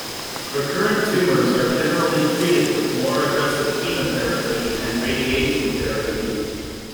Recurrent tumors are generally treated with more aggressive chemotherapy and radiation therapy.